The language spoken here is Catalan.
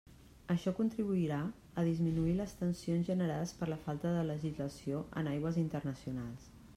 Això contribuirà a disminuir les tensions generades per la falta de legislació en aigües internacionals.